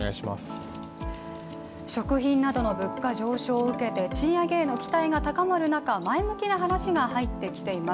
食品などの物価上昇を受けて賃上げへの期待が高まる中前向きな話が入ってきています。